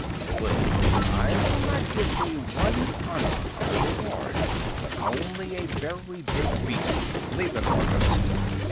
Mowgli, I will not give thee one anna of the reward, but only a very big beating. Leave the carcass!"